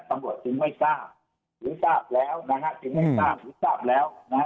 ตำรวจจึงไม่ทราบหรือทราบแล้วนะฮะ